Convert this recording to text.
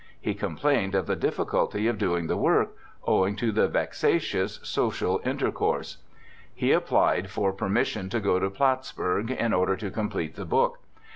He complained of the difficulty of doing the work, owing to the vexatious social inter course. He applied for permission to go to Plattsburgh, in order to complete the book.